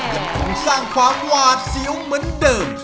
ยังคงสร้างความหวาดเสียวเหมือนเดิม